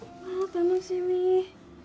楽しみ